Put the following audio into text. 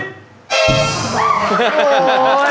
จอบจอบ